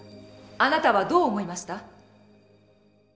あなたはどう思いました？